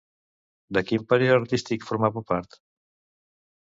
De quin període artístic formava part?